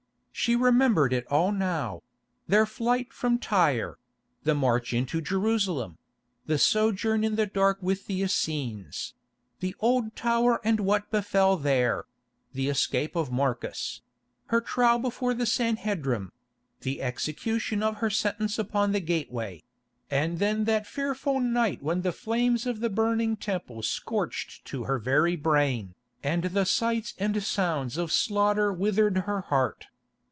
She remembered it all now—their flight from Tyre; the march into Jerusalem; the sojourn in the dark with the Essenes; the Old Tower and what befell there; the escape of Marcus; her trial before the Sanhedrim; the execution of her sentence upon the gateway; and then that fearful night when the flames of the burning Temple scorched to her very brain, and the sights and sounds of slaughter withered her heart.